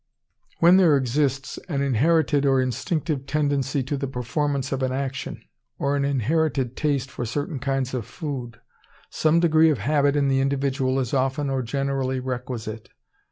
When there exists an inherited or instinctive tendency to the performance of an action, or an inherited taste for certain kinds of food, some degree of habit in the individual is often or generally requisite.